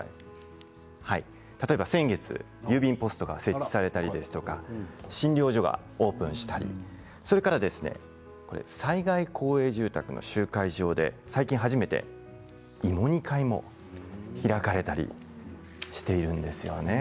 例えば先月郵便ポストが設置されたりですとか診療所がオープンしたりそれから災害公営住宅の集会場で最近初めて芋煮会も開かれたりしているんですね。